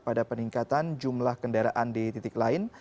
pada peningkatan jumlah kendaraan di titik lain